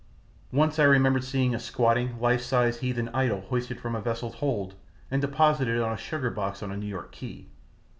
Once I remember seeing a squatting, life size heathen idol hoisted from a vessel's hold and deposited on a sugar box on a New York quay.